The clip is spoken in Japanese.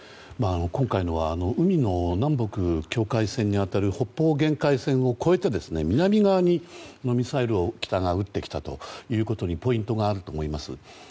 今回のは海の南北境界線に当たる北方限界線を越えて、南側にミサイルを北が撃ってきたということにポイントがあると思います。